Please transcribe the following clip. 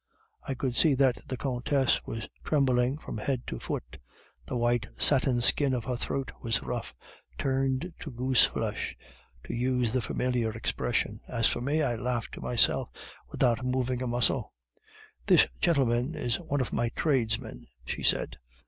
"'I could see that the Countess was trembling from head to foot; the white satin skin of her throat was rough, "turned to goose flesh," to use the familiar expression. As for me, I laughed in myself without moving a muscle. "'"This gentleman is one of my tradesmen," she said.